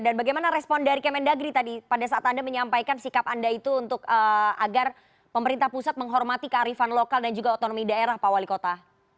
dan bagaimana respon dari kementerian negeri tadi pada saat anda menyampaikan sikap anda itu untuk agar pemerintah pusat menghormati carry on lokal dan juga otonomi daerah pak wali kota